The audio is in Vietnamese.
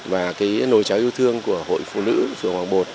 và cái nồi cháo yêu thương của hội phụ nữ sửa hoàng bột